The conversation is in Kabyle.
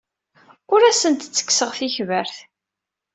Ur asent-ttekkseɣ tikbert.